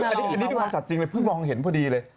อันนี้ที่มันสาดจริงพูดมองเห็นพอดีเลย